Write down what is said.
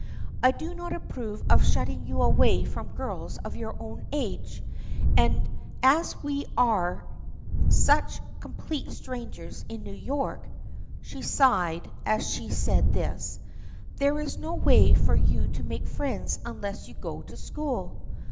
I do not approve of shutting you away from girls of your own age, and as we are such complete strangers in New York," — she sighed as she said this —" there is no way for you to make friends unless you go to school.